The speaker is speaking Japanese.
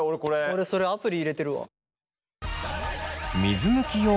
俺それアプリ入れてるわ。